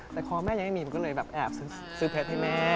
แต่คอยแม่ยังไม่มีก็เลยแบบอ่าซื้อเพล็นให้แม่